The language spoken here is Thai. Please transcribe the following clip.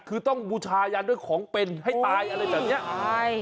คือต้องบูชายันด้วยของเป็นให้ตายอะไรแบบเนี้ยใช่